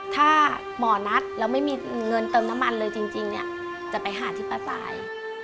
ถ้าหมอนัดแล้วไม่มีเงินเติมน้ำมันเลยจริงเนี่ยจะไปหาที่ป้าสาย